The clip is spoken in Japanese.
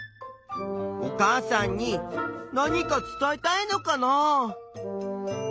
お母さんに何か伝えたいのかな。